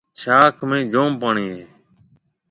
شاخ مئينَي جوم پوڻِي هيَ۔